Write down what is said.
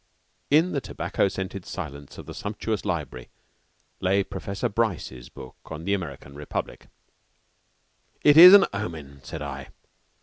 In the tobacco scented silence of the sumptuous library lay Professor Bryce's book on the American Republic. "It is an omen," said I.